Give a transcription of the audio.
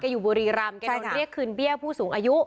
อยู่บุรีรำแกโดนเรียกคืนเบี้ยผู้สูงอายุ